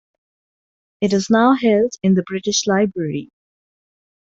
It is now held in the British Library.